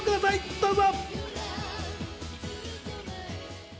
どうぞ！